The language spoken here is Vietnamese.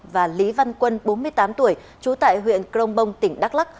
và lý văn quân bốn mươi tám tuổi trú tại huyện crong bông tỉnh đắk lắc